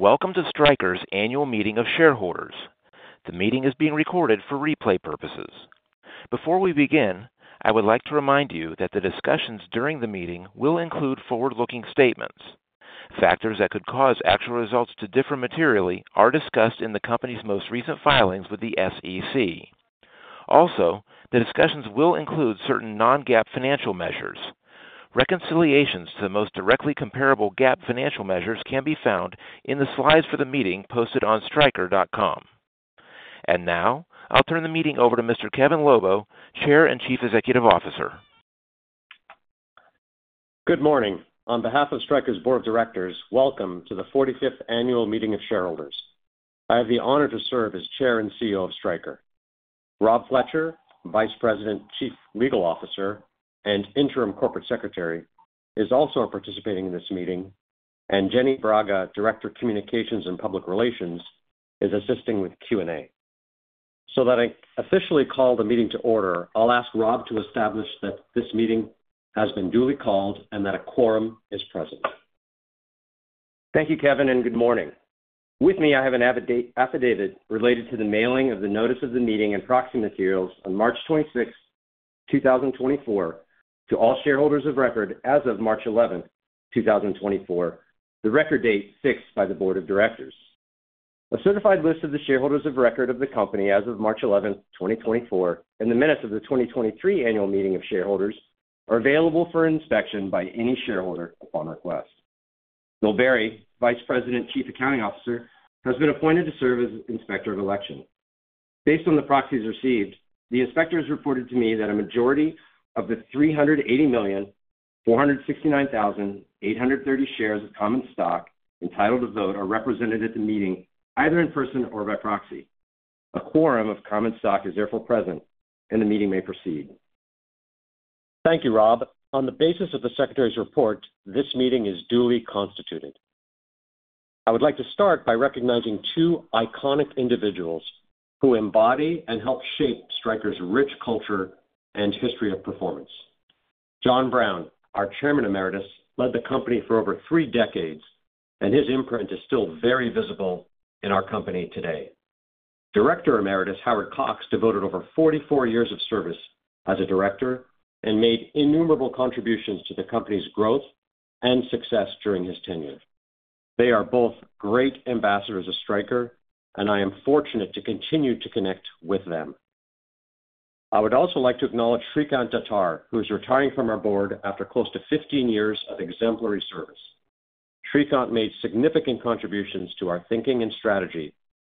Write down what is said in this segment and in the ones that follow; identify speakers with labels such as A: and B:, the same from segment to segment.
A: Welcome to Stryker's annual meeting of shareholders. The meeting is being recorded for replay purposes. Before we begin, I would like to remind you that the discussions during the meeting will include forward-looking statements. Factors that could cause actual results to differ materially are discussed in the company's most recent filings with the SEC. Also, the discussions will include certain non-GAAP financial measures. Reconciliations to the most directly comparable GAAP financial measures can be found in the slides for the meeting posted on stryker.com. Now I'll turn the meeting over to Mr. Kevin Lobo, Chair and Chief Executive Officer.
B: Good morning. On behalf of Stryker's Board of Directors, welcome to the 45th annual meeting of shareholders. I have the honor to serve as Chair and CEO of Stryker. Rob Fletcher, Vice President, Chief Legal Officer, and Interim Corporate Secretary, is also participating in this meeting, and Jenny Braga, Director of Communications and Public Relations, is assisting with Q&A. So that I officially call the meeting to order, I'll ask Rob to establish that this meeting has been duly called and that a quorum is present. Thank you, Kevin, and good morning. With me, I have an affidavit related to the mailing of the notice of the meeting and proxy materials on March 26, 2024, to all shareholders of record as of March 11, 2024, the record date fixed by the Board of Directors. A certified list of the shareholders of record of the company as of March 11, 2024, and the minutes of the 2023 annual meeting of shareholders are available for inspection by any shareholder upon request. Bill Berry, Vice President, Chief Accounting Officer, has been appointed to serve as Inspector of Election. Based on the proxies received, the inspector has reported to me that a majority of the 380,469,830 shares of common stock entitled to vote are represented at the meeting, either in person or by proxy. A quorum of common stock is therefore present, and the meeting may proceed. Thank you, Rob. On the basis of the Secretary's report, this meeting is duly constituted. I would like to start by recognizing two iconic individuals who embody and help shape Stryker's rich culture and history of performance. John Brown, our Chairman Emeritus, led the company for over three decades, and his imprint is still very visible in our company today. Director Emeritus Howard Cox devoted over 44 years of service as a director and made innumerable contributions to the company's growth and success during his tenure. They are both great ambassadors of Stryker, and I am fortunate to continue to connect with them. I would also like to acknowledge Srikant Datar, who is retiring from our board after close to 15 years of exemplary service. Srikant made significant contributions to our thinking and strategy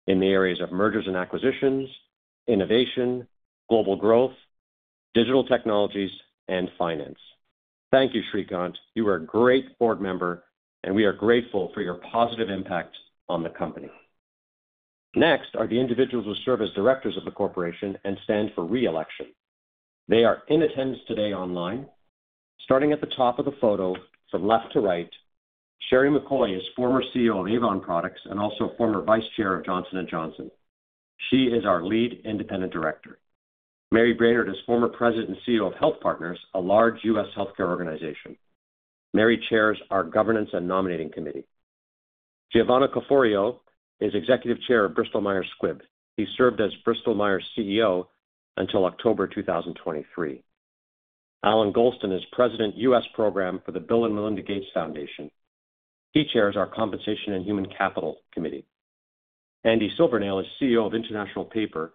B: in the areas of mergers and acquisitions, innovation, global growth, digital technologies, and finance. Thank you, Srikant. You are a great board member, and we are grateful for your positive impact on the company. Next are the individuals who serve as directors of the corporation and stand for reelection. They are in attendance today online. Starting at the top of the photo from left to right, Sheri McCoy is former CEO of Avon Products and also former Vice Chair of Johnson & Johnson. She is our lead independent director. Mary Brainerd is former President and CEO of HealthPartners, a large U.S. healthcare organization. Mary chairs our governance and nominating committee. Giovanni Caforio is Executive Chair of Bristol Myers Squibb. He served as Bristol Myers Squibb CEO until October 2023. Allan Golston is President U.S. Program for the Bill & Melinda Gates Foundation. He chairs our Compensation and Human Capital Committee. Andy Silvernail is CEO of International Paper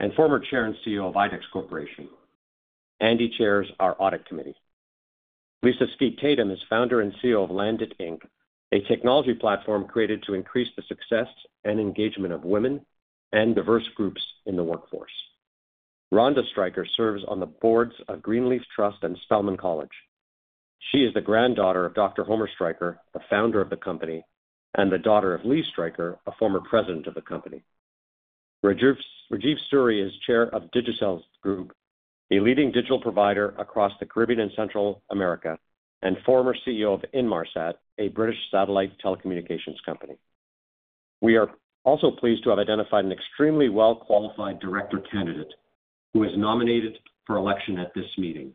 B: and former Chair and CEO of IDEX Corporation. Andy chairs our Audit Committee. Lisa Skeet Tatum is founder and CEO of Landit, Inc., a technology platform created to increase the success and engagement of women and diverse groups in the workforce. Ronda Stryker serves on the boards of Greenleaf Trust and Spelman College. She is the granddaughter of Dr. Homer Stryker, the founder of the company, and the daughter of Lee Stryker, a former president of the company. Rajeev Suri is Chair of Digicel Group, a leading digital provider across the Caribbean and Central America, and former CEO of Inmarsat, a British satellite telecommunications company. We are also pleased to have identified an extremely well-qualified director candidate who is nominated for election at this meeting.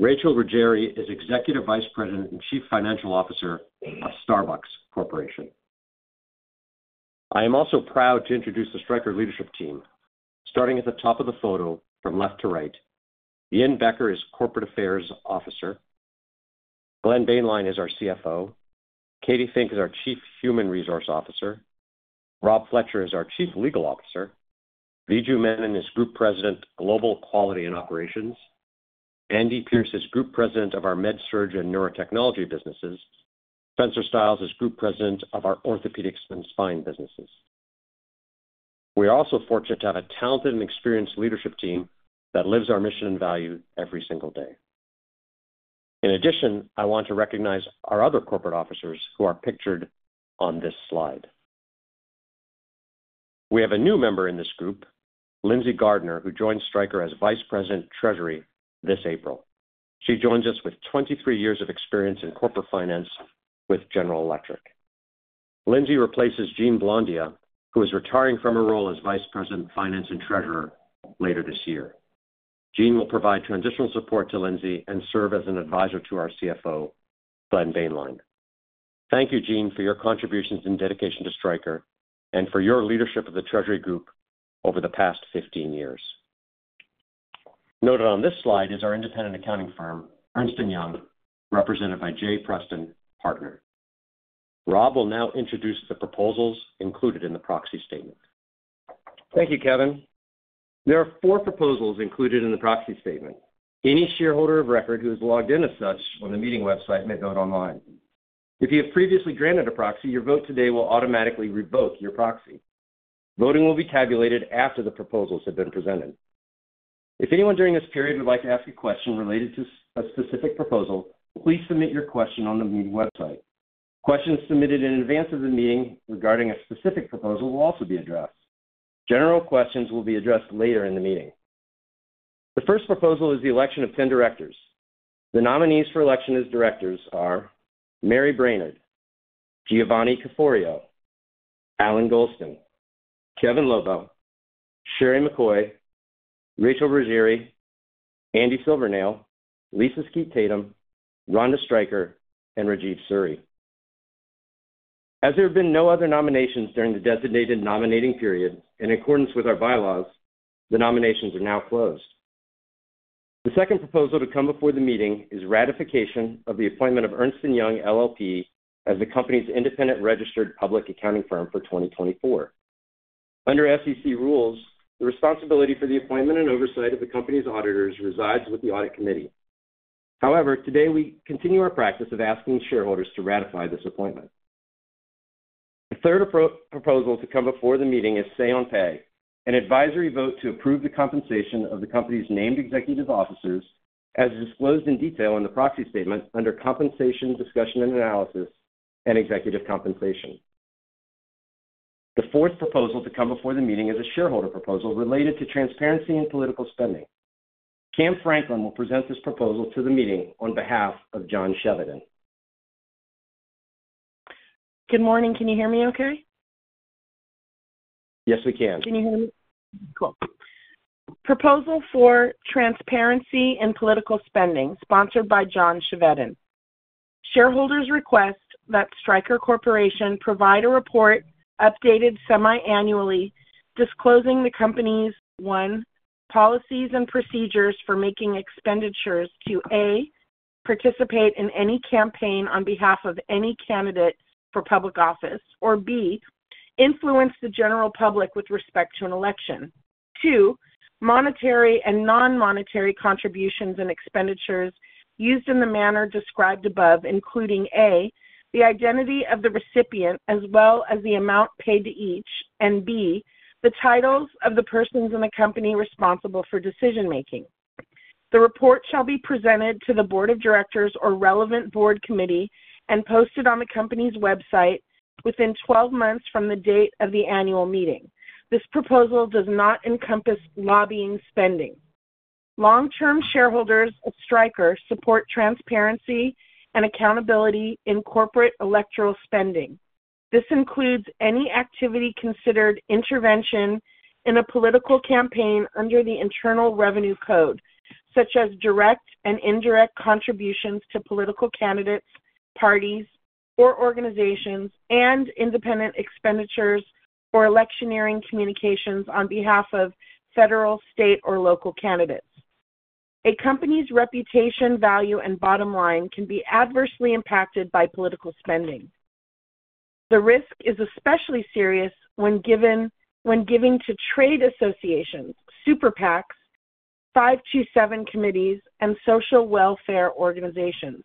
B: Rachel Ruggeri is Executive Vice President and Chief Financial Officer of Starbucks Corporation. I am also proud to introduce the Stryker leadership team. Starting at the top of the photo from left to right, Yin Becker is Corporate Affairs Officer. Glenn Boehnlein is our CFO. Katy Fink is our Chief Human Resources Officer. Rob Fletcher is our Chief Legal Officer. Viju Menon is Group President, Global Quality and Operations. Andy Pierce is Group President of our MedSurg and Neurotechnology businesses. Spencer Stiles is Group President of our Orthopaedics and Spine businesses. We are also fortunate to have a talented and experienced leadership team that lives our mission and value every single day. In addition, I want to recognize our other corporate officers who are pictured on this slide. We have a new member in this group, Lindsay Gardner, who joined Stryker as Vice President Treasury this April. She joins us with 23 years of experience in corporate finance with General Electric. Lindsay replaces Jeanne Blondia, who is retiring from her role as Vice President Finance and Treasurer later this year. Jeanne will provide transitional support to Lindsay and serve as an advisor to our CFO, Glenn Boehnlein. Thank you, Jeanne, for your contributions and dedication to Stryker and for your leadership of the Treasury Group over the past 15 years. Noted on this slide is our independent accounting firm, Ernst & Young, represented by J. Preston, Partner. Rob will now introduce the proposals included in the proxy statement.
C: Thank you, Kevin. There are four proposals included in the proxy statement. Any shareholder of record who is logged in as such on the meeting website may vote online. If you have previously granted a proxy, your vote today will automatically revoke your proxy. Voting will be tabulated after the proposals have been presented. If anyone during this period would like to ask a question related to a specific proposal, please submit your question on the meeting website. Questions submitted in advance of the meeting regarding a specific proposal will also be addressed. General questions will be addressed later in the meeting. The first proposal is the election of 10 directors. The nominees for election as directors are Mary Brainerd, Giovanni Caforio, Allan Golston, Kevin Lobo, Sheri McCoy, Rachel Ruggeri, Andy Silvernail, Lisa Skeet Tatum, Ronda Stryker, and Rajeev Suri. As there have been no other nominations during the designated nominating period, in accordance with our bylaws, the nominations are now closed. The second proposal to come before the meeting is ratification of the appointment of Ernst & Young LLP as the company's independent registered public accounting firm for 2024. Under SEC rules, the responsibility for the appointment and oversight of the company's auditors resides with the audit committee. However, today we continue our practice of asking shareholders to ratify this appointment. The third proposal to come before the meeting is say-on-pay, an advisory vote to approve the compensation of the company's named executive officers, as disclosed in detail in the proxy statement under Compensation, Discussion, and Analysis, and Executive Compensation. The fourth proposal to come before the meeting is a shareholder proposal related to transparency and political spending. Cam Franklin will present this proposal to the meeting on behalf of John Chevedden.
D: Good morning. Can you hear me okay?
C: Yes, we can.
D: Can you hear me? Cool. Proposal for transparency and political spending sponsored by John Chevedden. Shareholders request that Stryker Corporation provide a report updated semi-annually disclosing the company's, one, policies and procedures for making expenditures to, A, participate in any campaign on behalf of any candidate for public office, or, B, influence the general public with respect to an election. Two, monetary and non-monetary contributions and expenditures used in the manner described above, including, A, the identity of the recipient as well as the amount paid to each, and, B, the titles of the persons in the company responsible for decision-making. The report shall be presented to the Board of Directors or relevant board committee and posted on the company's website within 12 months from the date of the annual meeting. This proposal does not encompass lobbying spending. Long-term shareholders of Stryker support transparency and accountability in corporate electoral spending. This includes any activity considered intervention in a political campaign under the Internal Revenue Code, such as direct and indirect contributions to political candidates, parties, or organizations, and independent expenditures or electioneering communications on behalf of federal, state, or local candidates. A company's reputation, value, and bottom line can be adversely impacted by political spending. The risk is especially serious when giving to trade associations, Super PACs, 527 committees, and social welfare organizations,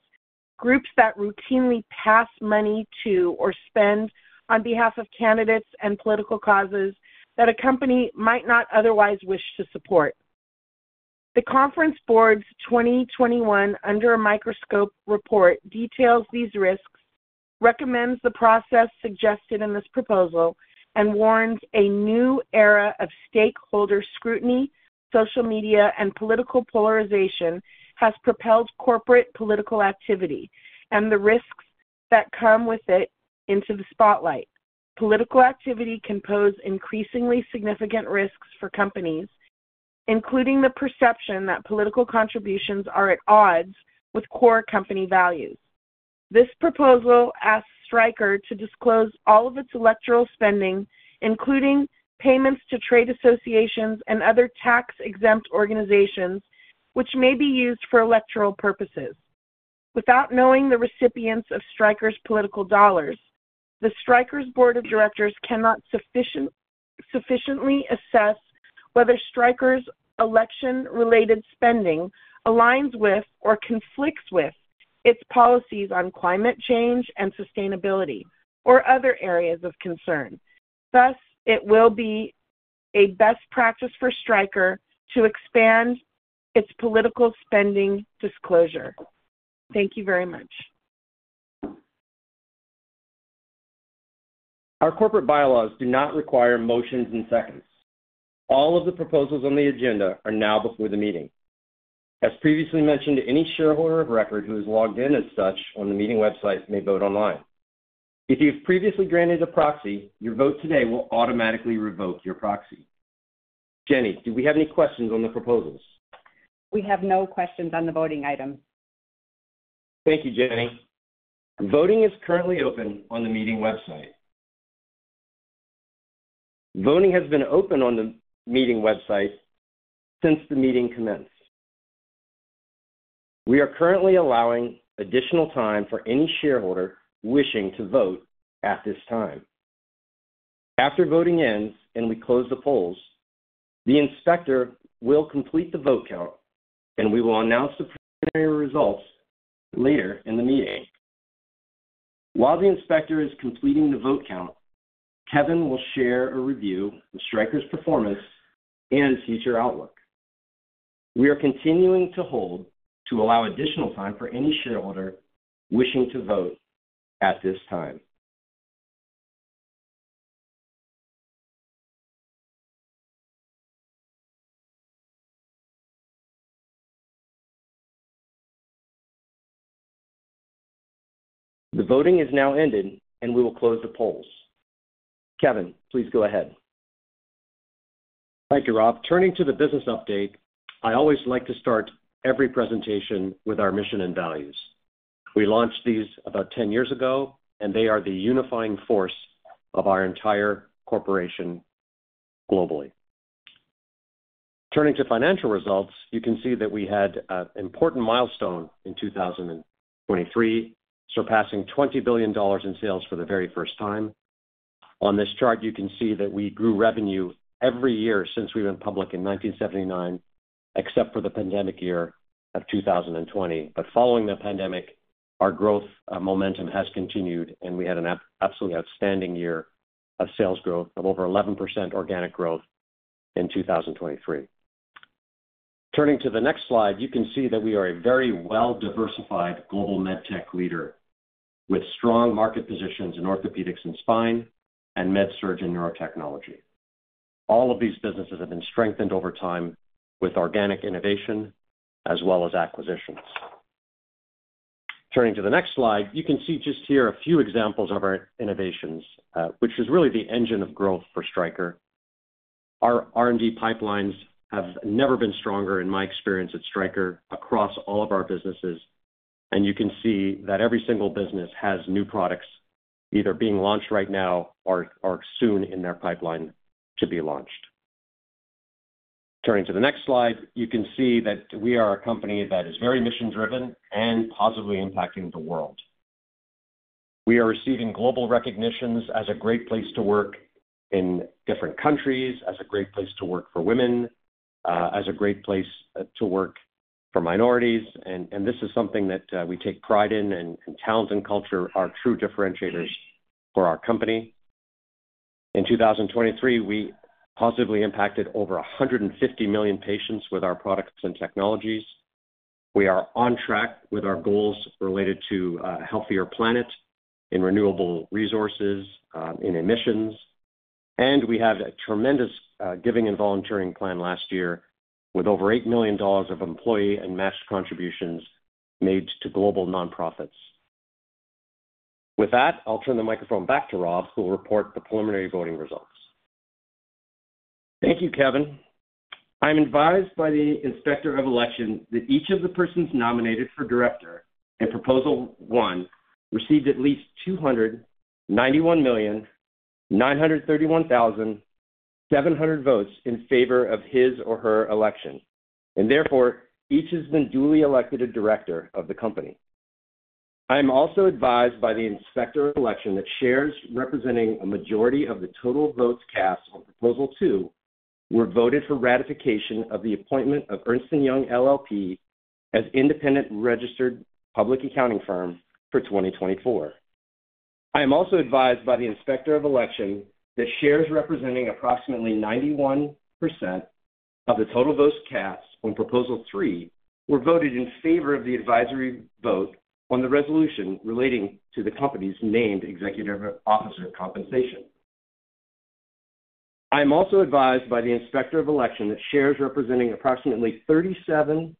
D: groups that routinely pass money to or spend on behalf of candidates and political causes that a company might not otherwise wish to support. The Conference Board's 2021 Under a Microscope report details these risks, recommends the process suggested in this proposal, and warns a new era of stakeholder scrutiny, social media, and political polarization has propelled corporate political activity and the risks that come with it into the spotlight. Political activity can pose increasingly significant risks for companies, including the perception that political contributions are at odds with core company values. This proposal asks Stryker to disclose all of its electoral spending, including payments to trade associations and other tax-exempt organizations, which may be used for electoral purposes. Without knowing the recipients of Stryker's political dollars, Stryker's board of directors cannot sufficiently assess whether Stryker's election-related spending aligns with or conflicts with its policies on climate change and sustainability or other areas of concern. Thus, it will be a best practice for Stryker to expand its political spending disclosure. Thank you very much.
B: Our corporate bylaws do not require motions and seconds. All of the proposals on the agenda are now before the meeting. As previously mentioned, any shareholder of record who is logged in as such on the meeting website may vote online. If you have previously granted a proxy, your vote today will automatically revoke your proxy. Jenny, do we have any questions on the proposals?
E: We have no questions on the voting items.
C: Thank you, Jenny. Voting is currently open on the meeting website. Voting has been open on the meeting website since the meeting commenced. We are currently allowing additional time for any shareholder wishing to vote at this time. After voting ends and we close the polls, the inspector will complete the vote count, and we will announce the preliminary results later in the meeting. While the inspector is completing the vote count, Kevin will share a review of Stryker's performance and future outlook. We are continuing to hold to allow additional time for any shareholder wishing to vote at this time. The voting is now ended, and we will close the polls. Kevin, please go ahead. Thank you, Rob. Turning to the business update, I always like to start every presentation with our mission and values.
B: We launched these about 10 years ago, and they are the unifying force of our entire corporation globally. Turning to financial results, you can see that we had an important milestone in 2023, surpassing $20 billion in sales for the very first time. On this chart, you can see that we grew revenue every year since we went public in 1979, except for the pandemic year of 2020. But following the pandemic, our growth momentum has continued, and we had an absolutely outstanding year of sales growth of over 11% organic growth in 2023. Turning to the next slide, you can see that we are a very well-diversified global medtech leader with strong market positions in Orthopaedics and Spine and MedSurg and Neurotechnology. All of these businesses have been strengthened over time with organic innovation as well as acquisitions. Turning to the next slide, you can see just here a few examples of our innovations, which is really the engine of growth for Stryker. Our R&D pipelines have never been stronger, in my experience at Stryker, across all of our businesses. You can see that every single business has new products either being launched right now or soon in their pipeline to be launched. Turning to the next slide, you can see that we are a company that is very mission-driven and positively impacting the world. We are receiving global recognitions as a great place to work in different countries, as a great place to work for women, as a great place to work for minorities. This is something that we take pride in, and talent and culture are true differentiators for our company. In 2023, we positively impacted over 150 million patients with our products and technologies. We are on track with our goals related to a healthier planet in renewable resources, in emissions. We had a tremendous giving and volunteering plan last year with over $8 million of employee and matched contributions made to global nonprofits. With that, I'll turn the microphone back to Rob, who will report the preliminary voting results. Thank you, Kevin. I'm advised by the inspector of election that each of the persons nominated for director in proposal one received at least 291,931,700 votes in favor of his or her election, and therefore each has been duly elected a director of the company. I am also advised by the inspector of election that shares representing a majority of the total votes cast on proposal 2 were voted for ratification of the appointment of Ernst & Young LLP as independent registered public accounting firm for 2024. I am also advised by the inspector of election that shares representing approximately 91% of the total votes cast on proposal 3 were voted in favor of the advisory vote on the resolution relating to the company's named executive officer compensation. I am also advised by the inspector of election that shares representing approximately 37%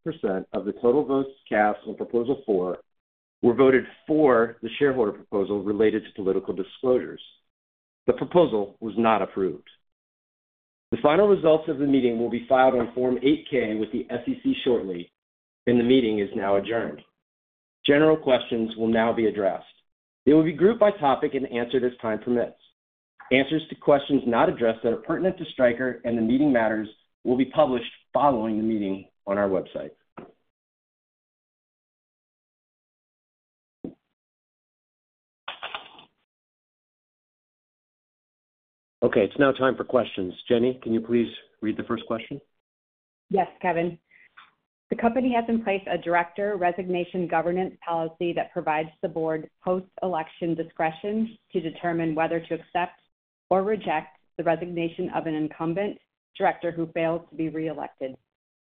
B: of the total votes cast on proposal 4 were voted for the shareholder proposal related to political disclosures. The proposal was not approved. The final results of the meeting will be filed on Form 8-K with the SEC shortly, and the meeting is now adjourned. General questions will now be addressed. They will be grouped by topic and answered as time permits. Answers to questions not addressed that are pertinent to Stryker and the meeting matters will be published following the meeting on our website. Okay, it's now time for questions. Jenny, can you please read the first question?
E: Yes, Kevin. The company has in place a director resignation governance policy that provides the board post-election discretion to determine whether to accept or reject the resignation of an incumbent director who fails to be reelected.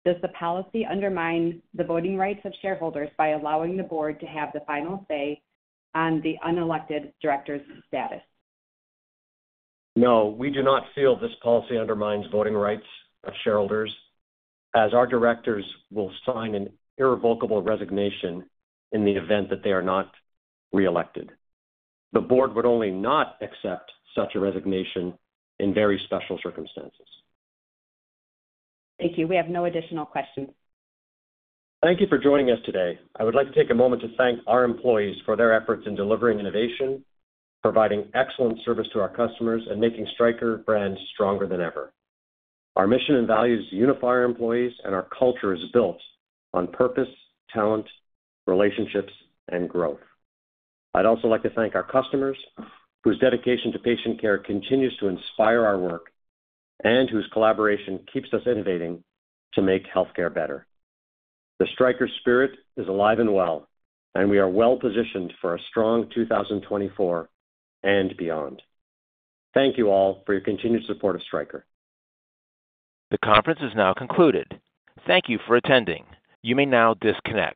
E: Does the policy undermine the voting rights of shareholders by allowing the board to have the final say on the unelected director's status?
B: No, we do not feel this policy undermines voting rights of shareholders, as our directors will sign an irrevocable resignation in the event that they are not reelected. The board would only not accept such a resignation in very special circumstances.
E: Thank you. We have no additional questions.
B: Thank you for joining us today. I would like to take a moment to thank our employees for their efforts in delivering innovation, providing excellent service to our customers, and making Stryker brand stronger than ever. Our mission and values unify our employees, and our culture is built on purpose, talent, relationships, and growth. I'd also like to thank our customers, whose dedication to patient care continues to inspire our work and whose collaboration keeps us innovating to make healthcare better. The Stryker spirit is alive and well, and we are well-positioned for a strong 2024 and beyond. Thank you all for your continued support of Stryker.
A: The conference is now concluded. Thank you for attending. You may now disconnect.